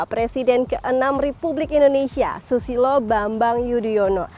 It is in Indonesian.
presiden ke enam republik indonesia susilo bambang yudhoyono